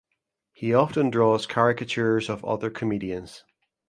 He often draws caricatures of other comedians.